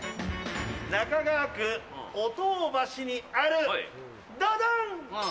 中川区尾頭橋にあるドドン！